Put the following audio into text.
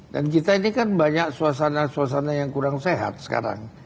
dan kita ini kan banyak suasana suasana yang kurang sehat sekarang